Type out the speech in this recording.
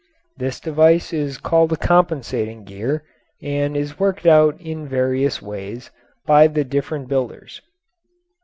This device is called a compensating gear, and is worked out in various ways by the different builders.